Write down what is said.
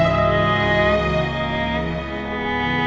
dia sudah kembali ke rumah sakit